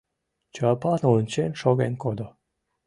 Чопан ончен шоген кодо.